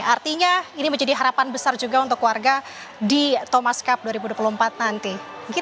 artinya ini menjadi harapan besar juga untuk warga di thomas cup dua ribu dua puluh empat nanti